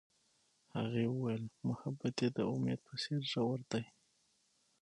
هغې وویل محبت یې د امید په څېر ژور دی.